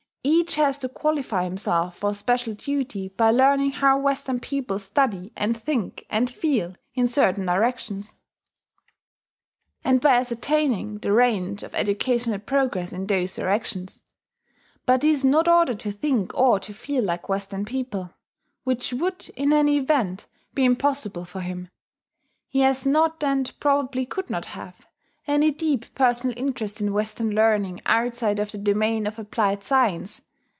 Each has to qualify himself for special duty by learning how Western people study and think and feel in certain directions, and by ascertaining the range of educational progress in those directions; but he is not ordered to think or to feel like Western people which would, in any event, be impossible for him. He has not, and probably could not have, any deep personal interest in Western learning outside of the domain of applied science.